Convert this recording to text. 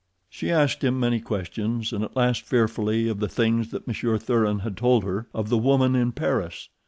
She asked him many questions, and at last fearfully of the things that Monsieur Thuran had told her—of the woman in Paris.